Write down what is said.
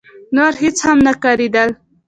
نور هيڅ هم نه ښکارېدل.